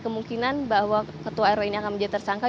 kemungkinan bahwa ketua rw ini akan menjadi tersangka